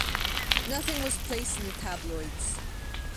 Nothing was placed in the tabloids.